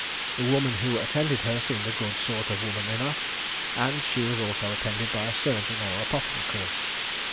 The woman who attended her seemed a good sort of a woman enough, and she was also attended by a surgeon or apothecary.